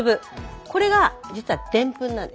これが実はでんぷんなんです。